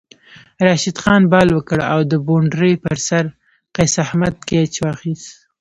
راشد خان بال وکړ او د بونډرۍ پر سر قیص احمد کیچ واخیست